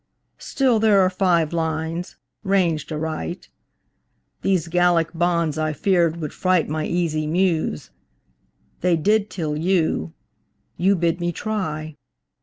Still, there are five lines ranged aright. These Gallic bonds, I feared, would fright My easy Muse. They did, till you You bid me try!